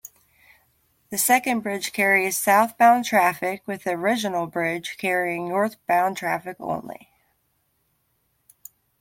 The second bridge carries southbound traffic, with the original bridge carrying northbound traffic only.